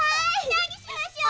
なにしましょう？